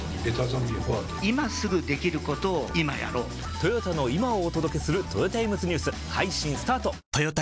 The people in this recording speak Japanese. トヨタの今をお届けするトヨタイムズニュース配信スタート！！！